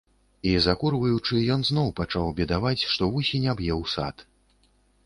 І, закурваючы, ён зноў пачаў бедаваць, што вусень аб'еў сад.